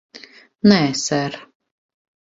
Nē, ser.